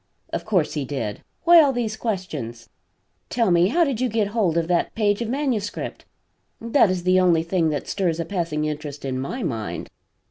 "Of course he did. Why all these questions? Tell me how did you get hold of that page of manuscript? That is the only thing that stirs a passing interest in my mind."